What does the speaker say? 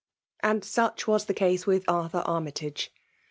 And such was the case with Arthur Army tiige.